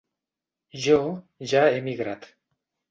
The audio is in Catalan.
Jo ja he emigrat.